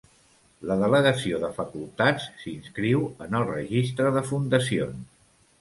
La delegació de facultats s'inscriu en el Registre de fundacions.